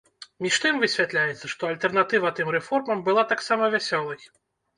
Між тым, высвятляецца, што альтэрнатыва тым рэформам была таксама вясёлай.